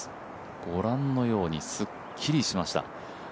ご覧のように、すっきりしました。